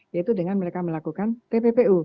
yaitu dengan mereka melakukan tppu